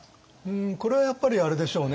これはやっぱりあれでしょうね